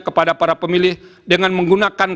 kepada para pemilih dengan menggunakan